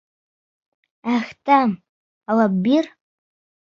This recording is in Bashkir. Әхтәм, алып бир.